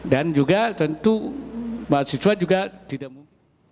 dan juga tentu mahasiswa juga tidak mungkin